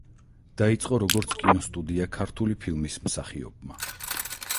დაიწყო როგორც კინოსტუდია „ქართული ფილმის“ მსახიობმა.